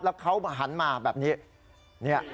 แล้วเขาหันมาแบบนี้